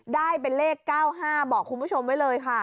ได้เป็นเลข๙๕บอกคุณผู้ชมไว้เลยค่ะ